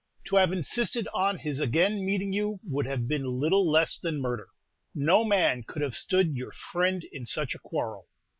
To have insisted on his again meeting you would have been little less than murder. No man could have stood your friend in such a quarrel.